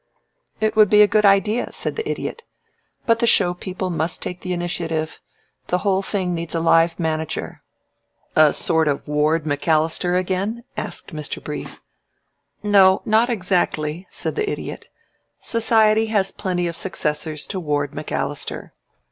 _" "It would be a good idea," said the Idiot. "But the show people must take the initiative. The whole thing needs a live manager." "A sort of Ward MacAllister again?" asked Mr. Brief. "No, not exactly," said the Idiot. "Society has plenty of successors to Ward MacAllister.